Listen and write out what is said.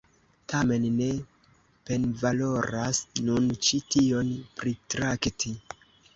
Tamen, ne penvaloras nun ĉi tion pritrakti.